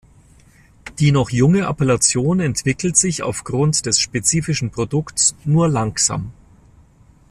Die noch junge Appellation entwickelt sich aufgrund des spezifischen Produkts nur langsam.